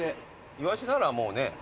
イワシならもうね。